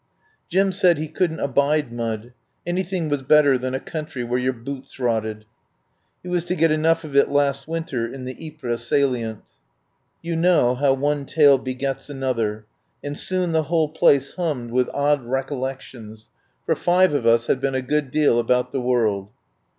Jim said he couldn't abide mud — anything was better than a country where your boots rotted. (He was to get enough of it last winter in the Ypres Sa lient.) You know how one tale begets another, and soon the whole place hummed with odd recol ix PREFACE BY THE EDITOR lections, for five of us had been a good deal about the world.